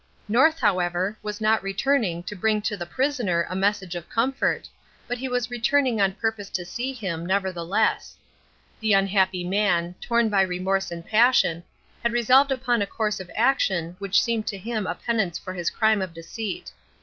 North, however, was not returning to bring to the prisoner a message of comfort, but he was returning on purpose to see him, nevertheless. The unhappy man, torn by remorse and passion, had resolved upon a course of action which seemed to him a penance for his crime of deceit.